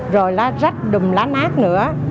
rồi lá rách đùm lá nát nữa